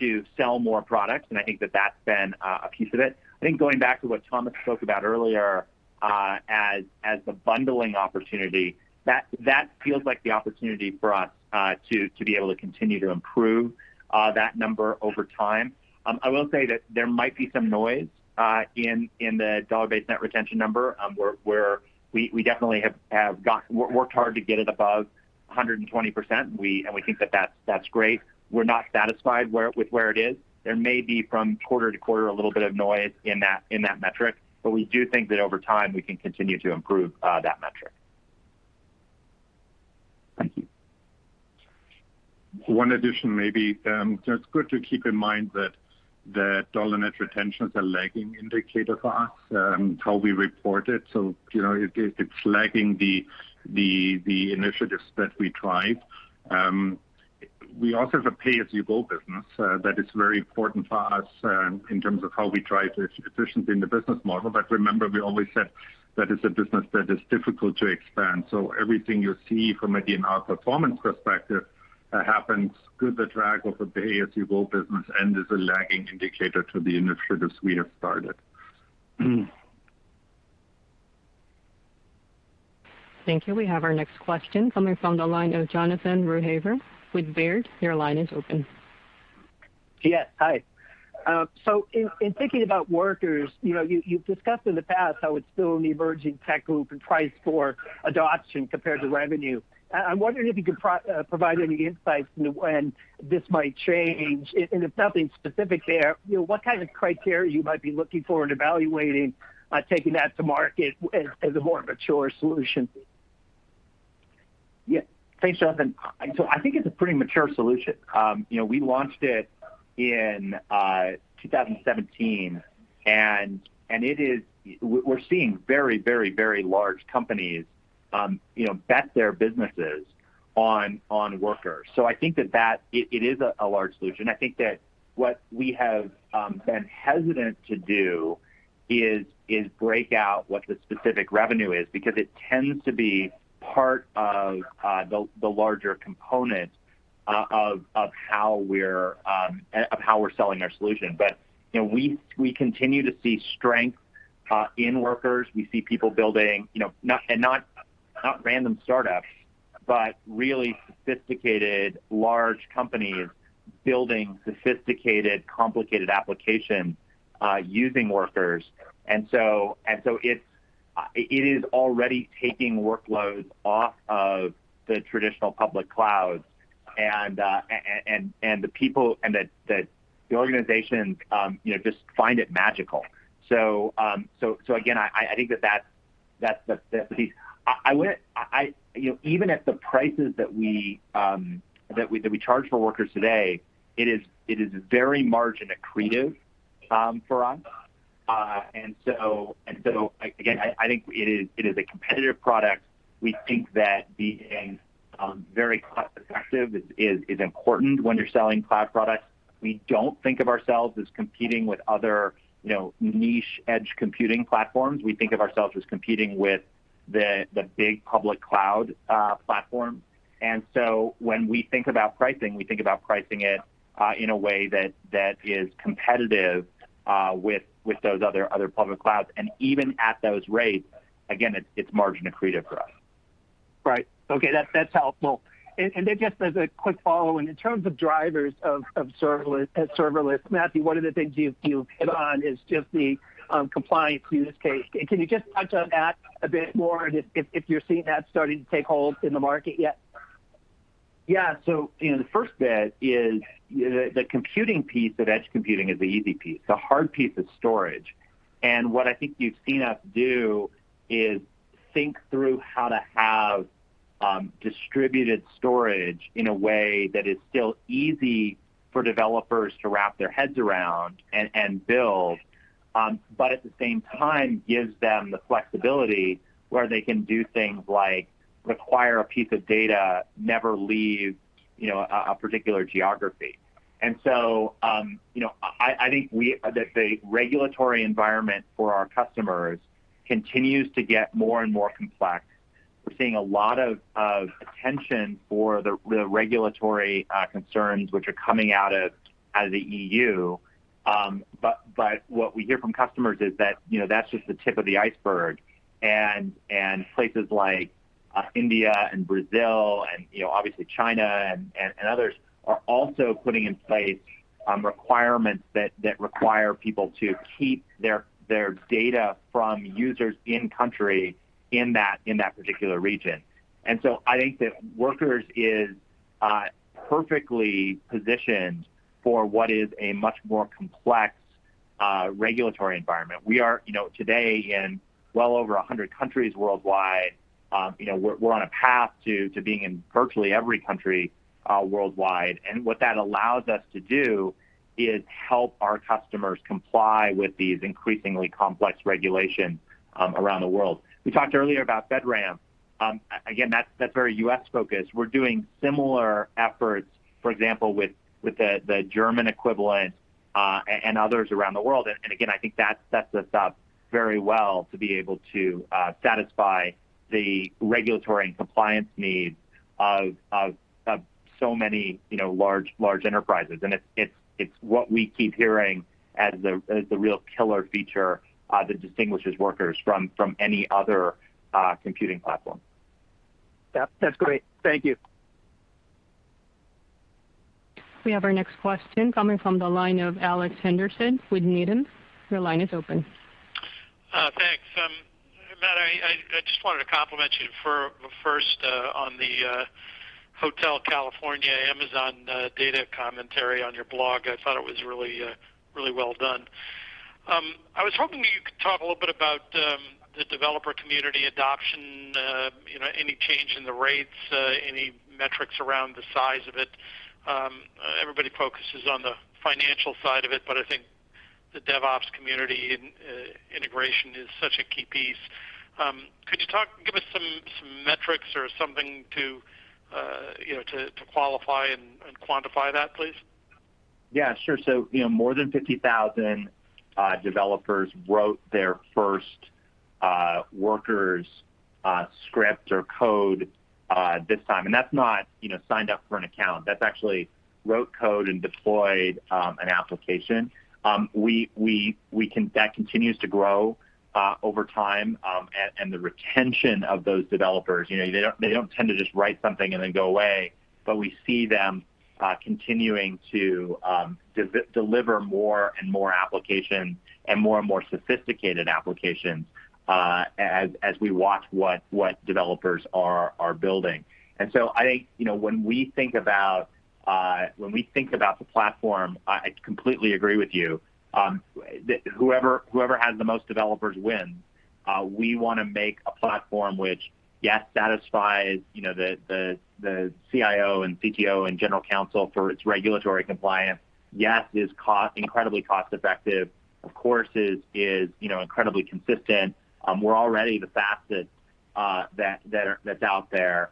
to sell more products, and I think that that's been a piece of it. I think going back to what Thomas spoke about earlier, as the bundling opportunity, that feels like the opportunity for us to be able to continue to improve that number over time. I will say that there might be some noise in the dollar-based net retention number, where we definitely have worked hard to get it above 120%, and we think that that's great. We're not satisfied with where it is. There may be from quarter-to-quarter, a little bit of noise in that metric. We do think that over time, we can continue to improve that metric. Thank you. One addition maybe. It's good to keep in mind that dollar net retention is a lagging indicator for us, how we report it. It's lagging the initiatives that we drive. We also have a pay-as-you-go business that is very important for us in terms of how we drive efficiency in the business model. Remember, we always said that it's a business that is difficult to expand. Everything you see from maybe in our performance perspective happens through the drag of the pay-as-you-go business and is a lagging indicator to the initiatives we have started. Thank you. We have our next question coming from the line of Jonathan Ruykhaver with Baird. Your line is open. Yes. Hi. In thinking about Workers, you've discussed in the past how it's still an emerging tech group, and price for adoption compares to revenue. I'm wondering if you could provide any insights into when this might change. If nothing specific there, what kind of criteria you might be looking for in evaluating taking that to market as a more mature solution? Yeah. Thanks, Jonathan. I think it's a pretty mature solution. We launched it in 2017, and we're seeing very large companies bet their businesses on Workers. I think that it is a large solution. I think that what we have been hesitant to do is break out what the specific revenue is because it tends to be part of the larger component of how we're selling our solution. We continue to see strength in Workers. We see people building, and not random startups, but really sophisticated large companies building sophisticated, complicated applications using Workers. It is already taking workloads off of the traditional public clouds, and the organizations just find it magical. Again, I think that even at the prices that we charge for Workers today, it is very margin accretive for us. Again, I think it is a competitive product. We think that being very cost-effective is important when you're selling cloud products. We don't think of ourselves as competing with other niche edge computing platforms. We think of ourselves as competing with the big public cloud platforms. When we think about pricing, we think about pricing it in a way that is competitive with those other public clouds. Even at those rates, again, it's margin accretive for us. Right. Okay, that's helpful. Then just as a quick follow-on, in terms of drivers of serverless, Matthew, one of the things you hit on is just the compliance use case. Can you just touch on that a bit more and if you're seeing that starting to take hold in the market yet? Yeah. The first bit is the computing piece of edge computing is the easy piece. The hard piece is storage. What I think you've seen us do is think through how to have distributed storage in a way that is still easy for developers to wrap their heads around and build, but at the same time gives them the flexibility where they can do things like require a piece of data, never leave a particular geography. I think that the regulatory environment for our customers continues to get more and more complex. We're seeing a lot of attention for the regulatory concerns, which are coming out of the EU. What we hear from customers is that's just the tip of the iceberg, and places like India and Brazil and obviously China and others are also putting in place requirements that require people to keep their data from users in country in that particular region. I think that Workers is perfectly positioned for what is a much more complex regulatory environment. We are today in well over 100 countries worldwide. We're on a path to being in virtually every country worldwide, and what that allows us to do is help our customers comply with these increasingly complex regulations around the world. We talked earlier about FedRAMP. Again, that's very U.S.-focused. We're doing similar efforts, for example, with the German equivalent, and others around the world. Again, I think that sets us up very well to be able to satisfy the regulatory and compliance needs of so many large enterprises. It's what we keep hearing as the real killer feature that distinguishes Workers from any other computing platform. Yep, that's great. Thank you. We have our next question coming from the line of Alex Henderson with Needham. Your line is open. Thanks. Matt, I just wanted to compliment you first on the Hotel California Amazon data commentary on your blog. I thought it was really well done. I was hoping you could talk a little bit about the developer community adoption, any change in the rates, any metrics around the size of it. Everybody focuses on the financial side of it, I think the DevOps community integration is such a key piece. Could you give us some metrics or something to qualify and quantify that, please? Yeah, sure. More than 50,000 developers wrote their first Workers script or code this time, and that's not signed up for an account. That's actually wrote code and deployed an application. That continues to grow over time. The retention of those developers, they don't tend to just write something and then go away, but we see them continuing to deliver more and more applications, and more and more sophisticated applications, as we watch what developers are building. I think, when we think about the platform, I completely agree with you, whoever has the most developers wins. We want to make a platform which, yes, satisfies the CIO and CTO and General Counsel for its regulatory compliance. Yes, is incredibly cost-effective. Of course, is incredibly consistent. We're already the fastest that's out there.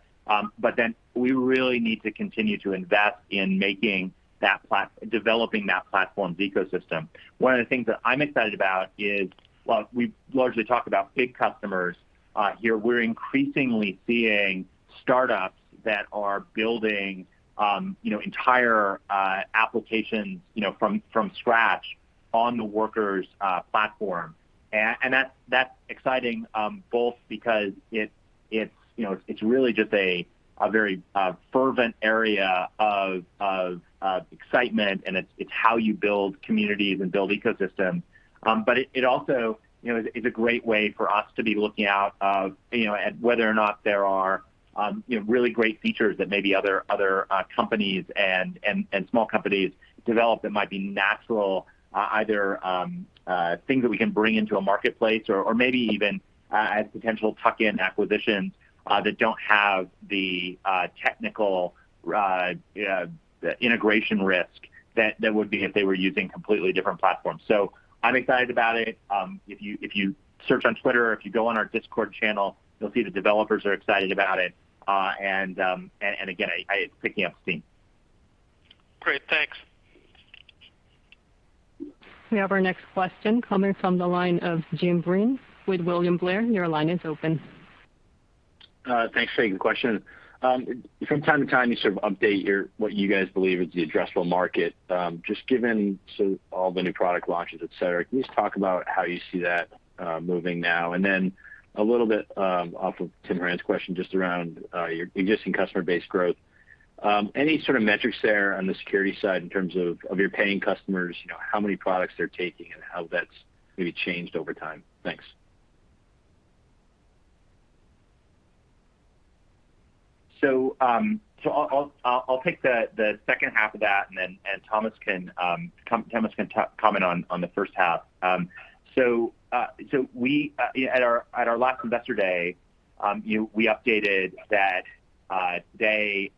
We really need to continue to invest in developing that platform's ecosystem. One of the things that I'm excited about is, while we've largely talked about big customers here, we're increasingly seeing startups that are building entire applications from scratch on the Workers platform. That's exciting both because it's really just a very fervent area of excitement, and it's how you build communities and build ecosystems. It also is a great way for us to be looking out at whether or not there are really great features that maybe other companies and small companies develop that might be natural, either things that we can bring into a marketplace or maybe even as potential tuck-in acquisitions that don't have the technical integration risk that would be if they were using completely different platforms. I'm excited about it. If you search on Twitter or if you go on our Discord channel, you'll see the developers are excited about it. Again, it's picking up steam. Great. Thanks. We have our next question coming from the line of Jim Breen with William Blair. Your line is open. Thanks for taking the question. From time to time, you sort of update what you guys believe is the addressable market. Just given all the new product launches, et cetera, can you just talk about how you see that moving now? Then a little bit off of Tim Horan's question, just around your existing customer base growth. Any sort of metrics there on the security side in terms of your paying customers, how many products they're taking, and how that's maybe changed over time? Thanks. I'll take the second half of that and then Thomas can comment on the first half. At our last Investor Day, we updated that today,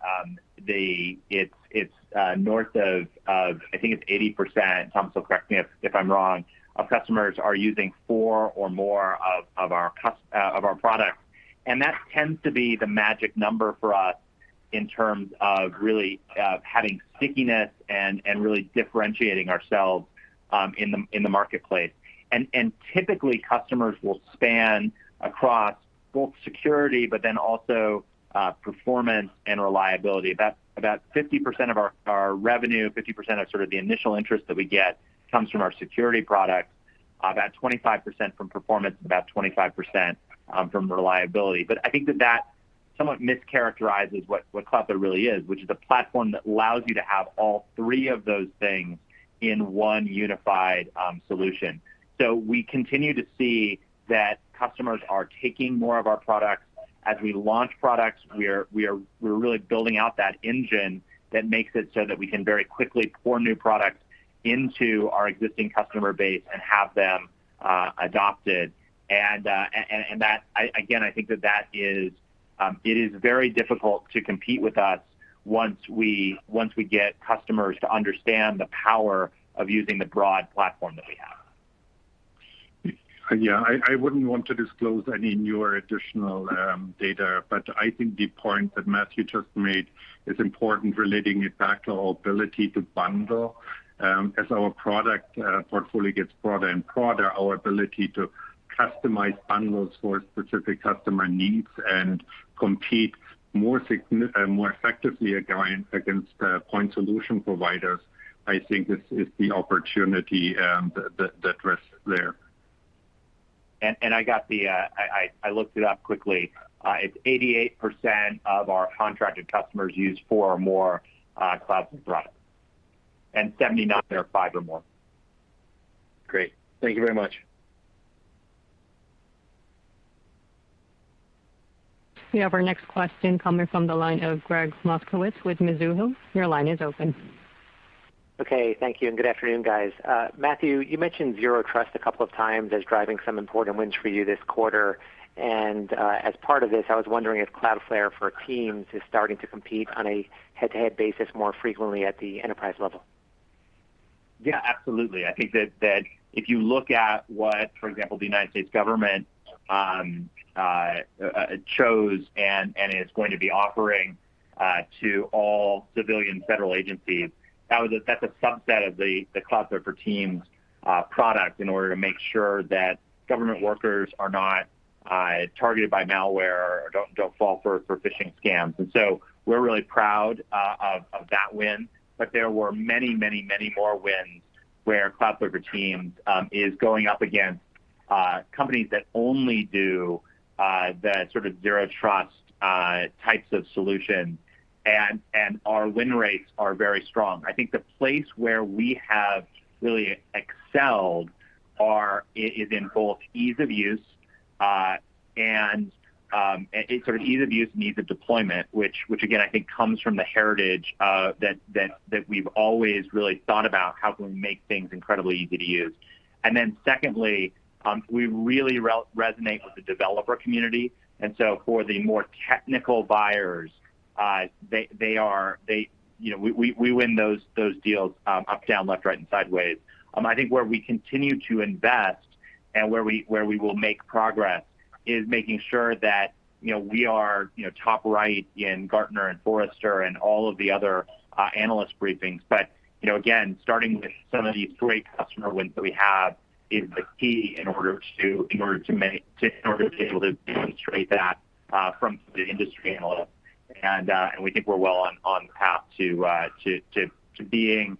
it's north of, I think it's 80%, Thomas will correct me if I'm wrong, of customers are using four or more of our products. That tends to be the magic number for us in terms of really having stickiness and really differentiating ourselves in the marketplace. Typically, customers will span across both security, but then also performance and reliability. About 50% of our revenue, 50% of sort of the initial interest that we get comes from our security products, about 25% from performance, and about 25% from reliability. I think that somewhat mischaracterizes what Cloudflare really is, which is a platform that allows you to have all three of those things in one unified solution. We continue to see that customers are taking more of our products. As we launch products, we're really building out that engine that makes it so that we can very quickly pour new products into our existing customer base and have them adopted. Again, I think that it is very difficult to compete with us once we get customers to understand the power of using the broad platform that we have. Yeah, I wouldn't want to disclose any newer additional data, but I think the point that Matthew just made is important, relating it back to our ability to bundle. As our product portfolio gets broader and broader, our ability to customize bundles for specific customer needs and compete more effectively against point solution providers, I think this is the opportunity that rests there. I looked it up quickly. It's 88% of our contracted customers use four or more Cloudflare products, and 79 use five or more. Great. Thank you very much. We have our next question coming from the line of Gregg Moskowitz with Mizuho. Your line is open. Okay. Thank you, and good afternoon, guys. Matthew, you mentioned Zero Trust a couple of times as driving some important wins for you this quarter. As part of this, I was wondering if Cloudflare for Teams is starting to compete on a head-to-head basis more frequently at the enterprise level? Yeah, absolutely. I think that if you look at what, for example, the U.S. government chose and is going to be offering to all civilian federal agencies, that's a subset of the Cloudflare for Teams product in order to make sure that government workers are not targeted by malware or don't fall for phishing scams. We're really proud of that win, but there were many, many, many more wins where Cloudflare for Teams is going up against companies that only do the sort of Zero Trust types of solution, and our win rates are very strong. I think the place where we have really excelled is in both ease of use and ease of deployment, which again, I think comes from the heritage that we've always really thought about how can we make things incredibly easy to use. Secondly, we really resonate with the developer community. For the more technical buyers, we win those deals up, down, left, right, and sideways. I think where we continue to invest and where we will make progress is making sure that we are top right in Gartner and Forrester and all of the other analyst briefings. Again, starting with some of these great customer wins that we have is the key in order to be able to demonstrate that from the industry analyst. We think we're well on the path to being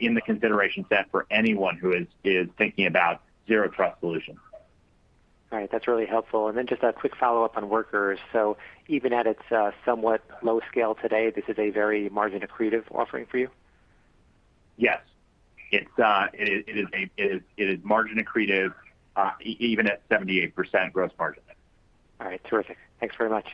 in the consideration set for anyone who is thinking about Zero Trust solutions. All right. That's really helpful. Just a quick follow-up on Workers. Even at its somewhat low scale today, this is a very margin-accretive offering for you? Yes. It is margin accretive even at 78% gross margin. All right. Terrific. Thanks very much.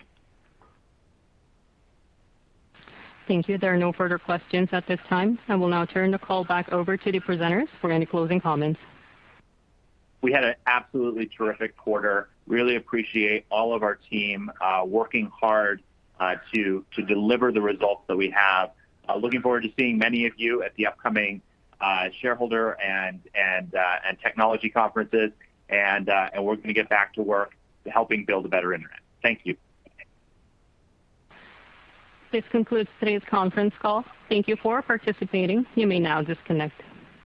Thank you. There are no further questions at this time. I will now turn the call back over to the presenters for any closing comments. We had an absolutely terrific quarter. Really appreciate all of our team working hard to deliver the results that we have. Looking forward to seeing many of you at the upcoming shareholder and technology conferences. We're going to get back to work to helping build a better internet. Thank you. This concludes today's conference call. Thank you for participating. You may now disconnect.